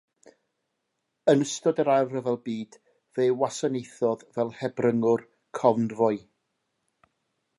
Yn ystod yr Ail Ryfel Byd fe wasanaethodd fel hebryngwr confoi.